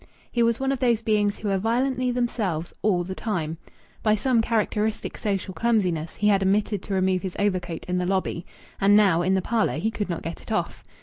He was one of those beings who are violently themselves all the time. By some characteristic social clumsiness he had omitted to remove his overcoat in the lobby. And now, in the parlour, he could not get it off.